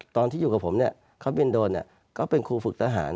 ตอนที่อยู่กับผมเนี่ยเขาบินโดรนก็เป็นครูฝึกทหาร